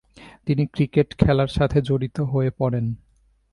তিনি ক্রিকেট খেলার সাথে জড়িত হয়ে পড়েন।